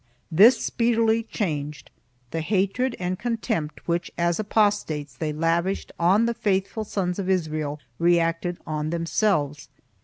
This speedily changed; the hatred and contempt which, as apostates, they lavished on the faithful sons of Israel reacted on themselves.